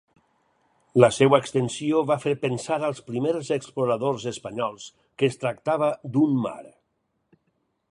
La seva extensió va fer pensar als primers exploradors espanyols que es tractava d'un mar.